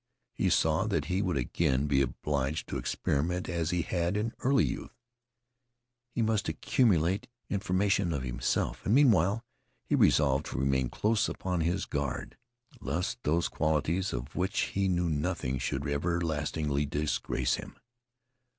He saw that he would again be obliged to experiment as he had in early youth. He must accumulate information of himself, and meanwhile he resolved to remain close upon his guard lest those qualities of which he knew nothing should everlastingly disgrace him.